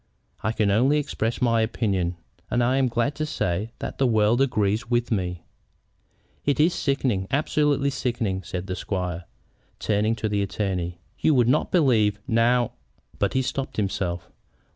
"I can only express my opinion, and am glad to say that the world agrees with me." "It is sickening, absolutely sickening," said the squire, turning to the attorney. "You would not believe, now " But he stopped himself.